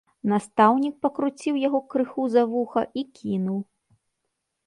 Настаўнік пакруціў яго крыху за вуха і кінуў.